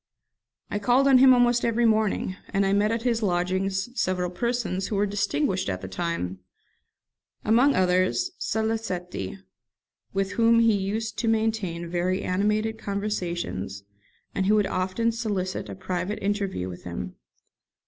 I called on him almost every morning, and I met at his lodgings several persons who were distinguished at the time; among others Salicetti, with whom he used to maintain very animated conversations, and who would often solicit a private interview with him.